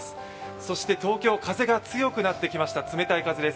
そして、東京、風が強くなってきました、冷たい風です。